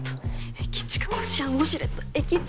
駅近こしあんウォシュレット駅近。